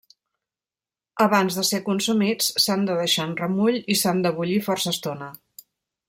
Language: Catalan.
Abans de ser consumits, s'han de deixar en remull i s'han de bullir força estona.